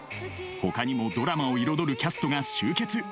ほかにもドラマを彩るキャストが集結。